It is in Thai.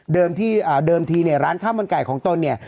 เดิมทีเนี่ยร้านข้าวมันไก่ของตนเนี่ย